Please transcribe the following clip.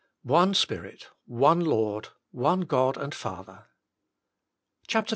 One Spirit, One Lord, One God and Father. V.